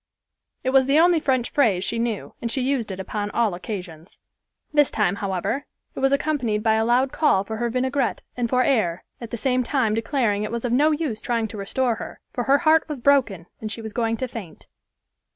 It was the only French phrase she knew, and she used it upon all occasions. This time, however, it was accompanied by a loud call for her vineagrette and for air, at the same time declaring it was of no use trying to restore her, for her heart was broken and she was going to faint.